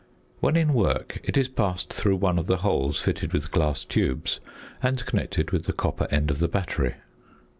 When in work it is passed through one of the holes fitted with glass tubes and connected with the copper end of the battery.